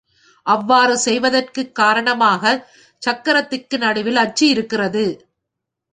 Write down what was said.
அவ்வாறு செய்வதற்குக் காரணமாகச் சக்கரத்திற்கு நடுவில் அச்சு இருக்கிறது.